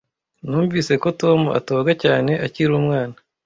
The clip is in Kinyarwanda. Numvise ko Tom atoga cyane akiri umwana.